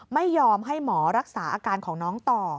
ไม่ยอมให้หมอรักษาอาการของน้องต่อ